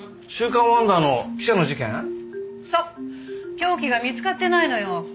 凶器が見つかってないのよ。